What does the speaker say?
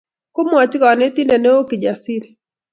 Kimwoch konetindet neo Kijasiri